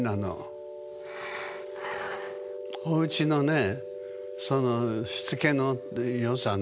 おうちのねそのしつけのよさね。